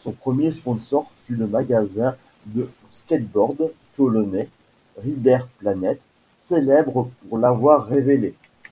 Son premier sponsor fut le magasin de skateboard Toulonnais Riderplanet, célèbre pour l'avoir révélé.